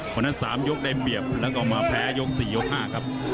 เพราะฉะนั้น๓ยกได้เปรียบแล้วก็มาแพ้ยก๔ยก๕ครับ